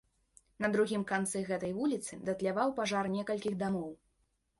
На другім канцы гэтай вуліцы датляваў пажар некалькіх дамоў.